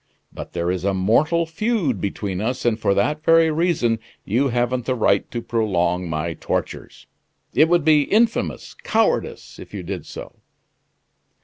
But there is a mortal feud between us, and for that very reason you haven't the right to prolong my tortures! It would be infamous cowardice if you did so.